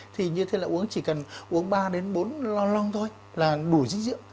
thì như thế là uống chỉ cần uống ba bốn lon lon thôi là đủ dinh dưỡng